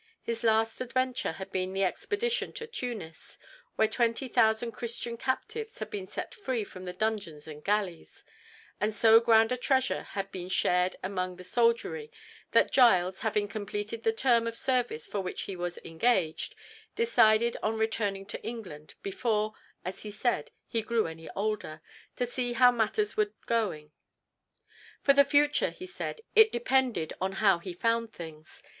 His last adventure had been the expedition to Tunis, when 20,000 Christian captives had been set free from the dungeons and galleys, and so grand a treasure had been shared among the soldiery that Giles, having completed the term of service for which he was engaged, decided on returning to England, before, as he said, he grew any older, to see how matters were going. "For the future," he said, "it depended on how he found things.